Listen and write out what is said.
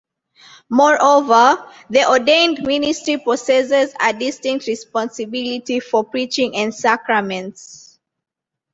Moreover, the ordained ministry possesses a distinct responsibility for preaching and sacraments.